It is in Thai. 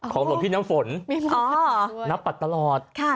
ของบริษัทพี่น้ำฝนนับปัดตลอด